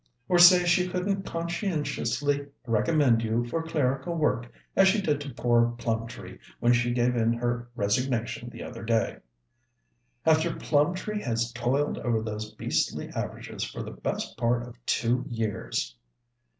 "Or say she couldn't conscientiously recommend you for clerical work, as she did to poor Plumtree when she gave in her resignation the other day." "After Plumtree has toiled over those beastly averages for the best part of two years!"